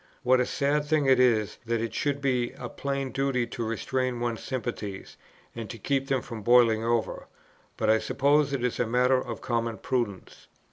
What a sad thing it is, that it should be a plain duty to restrain one's sympathies, and to keep them from boiling over; but I suppose it is a matter of common prudence.